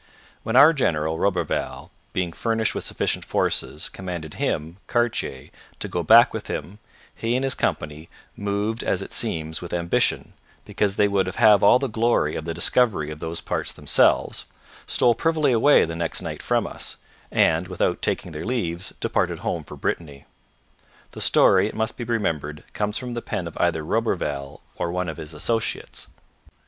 'When our general [Roberval], being furnished with sufficient forces, commanded him [Cartier] to go back with him, he and his company, moved as it seems with ambition, because they would have all the glory of the discovery of those parts themselves, stole privily away the next night from us, and, without taking their leaves, departed home for Brittany.' The story, it must be remembered, comes from the pen of either Roberval or one of his associates.